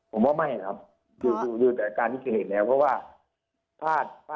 หวังว่าไม่นะครับ